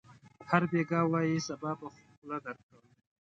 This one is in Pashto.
هر بېګا وايي: صبا به خوله درکړم.